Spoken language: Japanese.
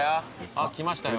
あっ来ましたよ。